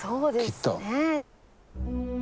きっと。